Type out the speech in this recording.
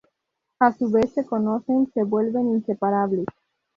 Una vez se conocen, se vuelven inseparables.